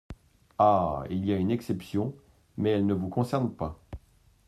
Ah ! il y a une exception, mais elle ne vous concerne pas.